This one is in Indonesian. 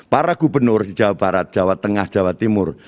para gubernur di jawa barat jawa tengah jawa timur